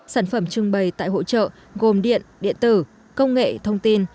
sản phẩm trưng bày tại hội trợ gồm điện điện tử công nghệ thông tin